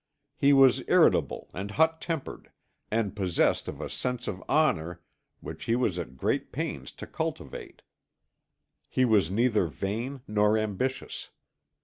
He was irritable and hot tempered and possessed of a sense of honour which he was at great pains to cultivate. He was neither vain nor ambitious.